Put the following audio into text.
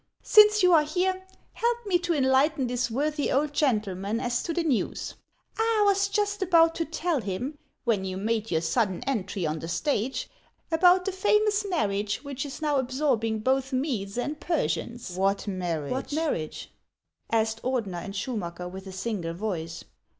Since you are here, help me to enlighten this worthy old gentleman as to the news. I was just about to tell him, 104 HANS OF ICELAND. when you made your sudden entry on the stage, about the famous marriage which is now absorbing both Medes and Persians." " What marriage ?" asked Ordener and Schuinacker with a single voice.